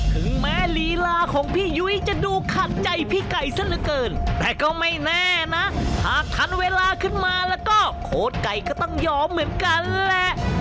ถึงแม้ลีลาของพี่ยุ้ยจะดูขัดใจพี่ไก่ซะเหลือเกินแต่ก็ไม่แน่นะหากทันเวลาขึ้นมาแล้วก็โค้ดไก่ก็ต้องยอมเหมือนกันแหละ